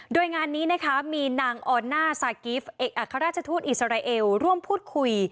โดยงานนี้มีนางออนาซากิฟเอกอาราชทูตอิสราเอลร่วมพูดคุย